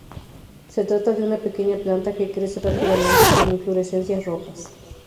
Se trata de una pequeña planta que crece rápidamente, con inflorescencias rojas.